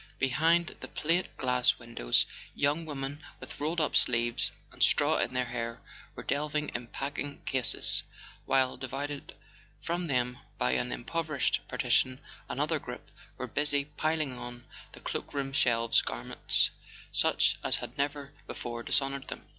Behind the plate glass windows young women with rolled up sleeves and straw in their hair were delving in packing cases, while, divided from them by an im¬ provised partition, another group were busy piling on the cloak room shelves garments such as had never before dishonoured them.